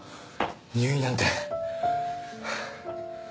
入院なんて。